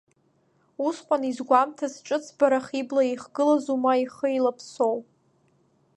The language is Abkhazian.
Усҟан изгәамҭаз ҿыцбарах ибла ихгылазу, ма ихы еилаԥсоу?